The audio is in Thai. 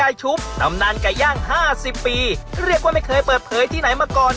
ชุบตำนานไก่ย่างห้าสิบปีเรียกว่าไม่เคยเปิดเผยที่ไหนมาก่อน